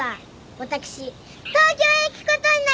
わたくし東京へ行くことになりました！